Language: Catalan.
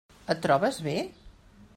Et trobes bé?